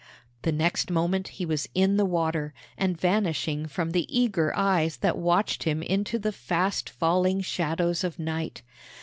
The next moment he was in the water, and vanishing from the eager eyes that watched him into the fast falling shadows of night.